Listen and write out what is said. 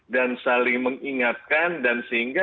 dan saling mengingatkan